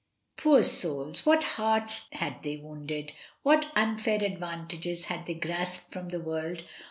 Poor souls! what hearts had they wounded, what unfair advantages had they grasped from the world?